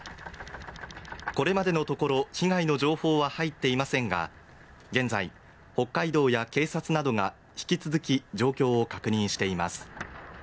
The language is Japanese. これまでのところ被害の情報は入っていませんが現在、北海道や警察などが引き続き状況を確認しています。